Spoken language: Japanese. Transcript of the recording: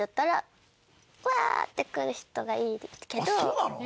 そうなの？